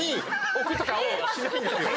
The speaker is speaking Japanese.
置くとかをしないんですよ。